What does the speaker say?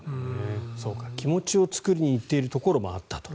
気持ちを作りに行ってるところもあったと。